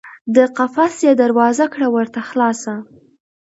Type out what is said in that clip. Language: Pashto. د قفس یې دروازه کړه ورته خلاصه